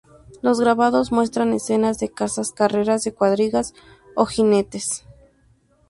Los grabados muestran escenas de caza, carreras de cuadrigas o jinetes.